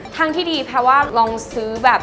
ทางที่ดีแปลว่าลองซื้อแบบ